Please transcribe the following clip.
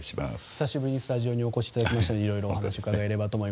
久しぶりにスタジオにお越しいただきました。